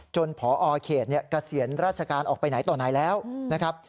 ผอเขตเกษียณราชการออกไปไหนต่อไหนแล้วนะครับ